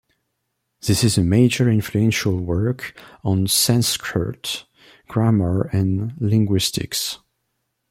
This is a major influential work on Sanskrit grammar and linguistics.